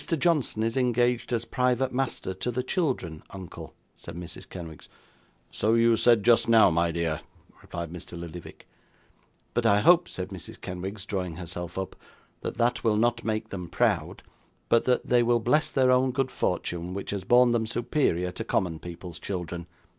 Johnson is engaged as private master to the children, uncle,' said Mrs. Kenwigs. 'So you said just now, my dear,' replied Mr. Lillyvick. 'But I hope,' said Mrs. Kenwigs, drawing herself up, 'that that will not make them proud; but that they will bless their own good fortune, which has born them superior to common people's children.